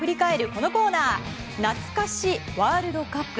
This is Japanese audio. このコーナーなつか史ワールドカップ。